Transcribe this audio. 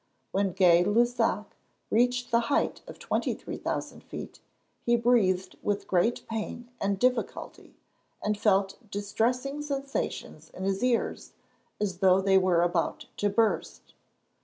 When Gay Lussac reached the height of 23,000 feet, he breathed with great pain and difficulty, and felt distressing sensations in his ears, as though they were about to burst.